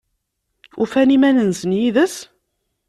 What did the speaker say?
Ufan iman-nsen yid-s?